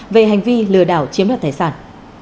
về hành vi lừa đảo chiếm đặt tài sản